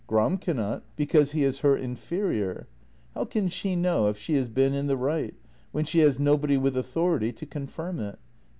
Gram cannot, because he is her inferior. How can she know if she has been in the right, when she has nobody with authority to confirm it?